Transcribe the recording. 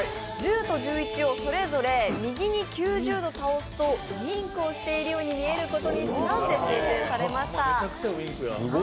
１０と１１をそれぞれ右に９０度倒すとウインクをしているように見えることにちなんで制定されました。